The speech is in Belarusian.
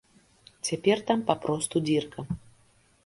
Цяпер там папросту дзірка.